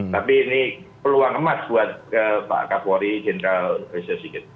tapi ini peluang emas buat pak kapolri general reses sikit